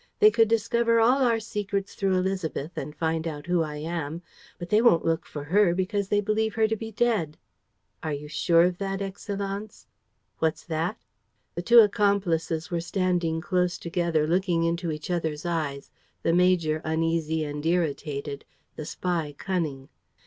They could discover all our secrets through Élisabeth and find out who I am. But they won't look for her, because they believe her to be dead." "Are you sure of that, Excellenz?" "What's that?" The two accomplices were standing close together, looking into each other's eyes, the major uneasy and irritated, the spy cunning.